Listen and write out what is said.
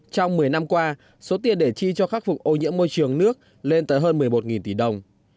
trong một mươi năm qua số tiền để chi cho khắc phục ô nhiễm môi trường nước lên tới hơn một mươi một tỷ đồng